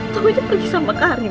tau aja pergi sama karim